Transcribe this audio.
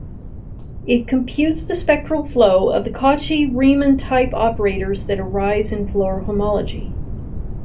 It computes the spectral flow of the Cauchy-Riemann-type operators that arise in Floer homology.